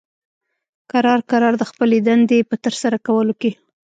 کرار کرار د خپلې دندې په ترسره کولو کې